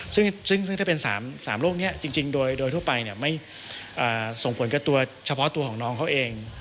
ซึ่งถ้าเป็น๓โรคนี้จริงโดยทั่วไปไม่ส่งผลกับตัวเฉพาะตัวของน้องเขาเอง